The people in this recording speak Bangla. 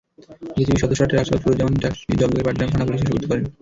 বিজিবি সদস্যরা ট্রাকচালক সুরুজ্জামানসহ ট্রাকটি জব্দ করে পাটগ্রাম থানা-পুলিশে সোপর্দ করেন।